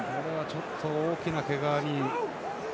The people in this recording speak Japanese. ちょっと大きなけがに。